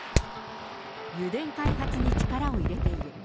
油田開発に力を入れている。